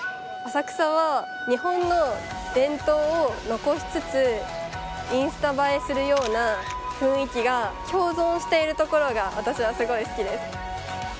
浅草は日本の伝統を残しつつインスタ映えするような雰囲気が共存しているところが私はすごい好きです。